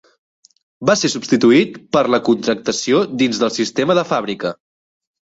Va ser substituït per la contractació dins del sistema de fàbrica.